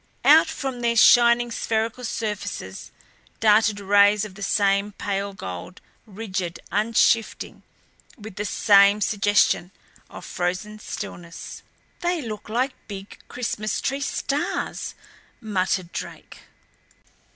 Out from their shining spherical surfaces darted rays of the same pale gold, rigid, unshifting, with the same suggestion of frozen stillness. "They look like big Christmas tree stars," muttered Drake.